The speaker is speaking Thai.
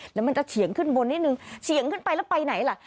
เดี๋ยวมันจะเฉียงขึ้นบนนิดนึงเฉียงขึ้นไปแล้วไปไหนล่ะ